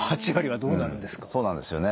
そうなんですよね。